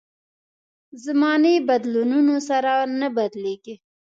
زمانې بدلونونو سره نه بدلېږي.